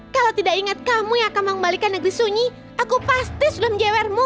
kalau tidak ingat kamu yang akan mengembalikan negeri sunyi aku pasti sudah menjewermu